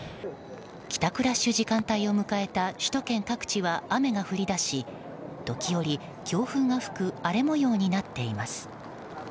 帰宅ラッシュ時間帯を迎えた首都圏各地は雨が降り出し、時折強風が吹く荒れ模様になっています。